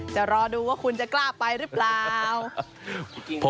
จะรอดูว่าคุณจะกล้าไปหรือเปล่า